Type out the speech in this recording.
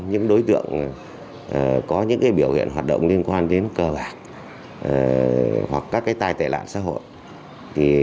những đối tượng có những biểu hiện hoạt động liên quan đến cơ bản hoặc các tai tài lạc xã hội